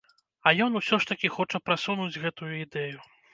А ён усё ж такі хоча прасунуць гэтую ідэю.